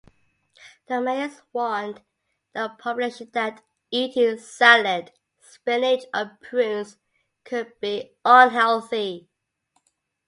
The mayors warned the population that eating salad, spinach or prunes could be unhealthy.